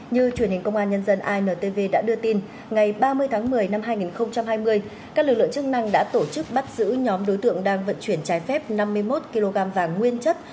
như truyền hình công an nhân dân intv đã đưa tin ngày ba mươi tháng một mươi năm hai nghìn hai mươi các lực lượng chức năng đã tổ chức bắt giữ nhóm đối tượng đang vận chuyển trái phép năm mươi một kg vàng nguyên chất